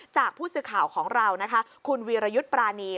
จากผู้สื่อข่าวของเรานะคะคุณวีรยุทธ์ปรานี